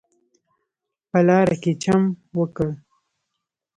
په لاره کې چم وکړ.